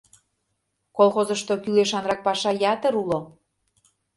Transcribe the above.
Колхозышто кӱлешанрак паша ятыр уло.